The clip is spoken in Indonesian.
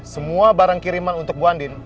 semua barang kiriman untuk bu andin